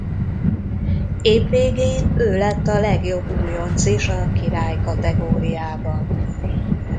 Év végén ő lett a legjobb újonc is a királykategóriában.